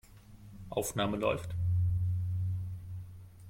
Aufnahme läuft.